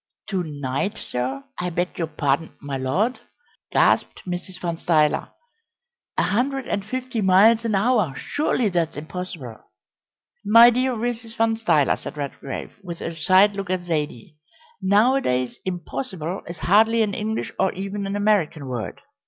"To night, sir I beg your pardon, my Lord!" gasped Mrs. Van Stuyler. "A hundred and fifty miles an hour! Surely that's impossible." "My dear Mrs. Van Stuyler," said Redgrave, with a side look at Zaidie, "nowadays 'impossible' is hardly an English or even an American word.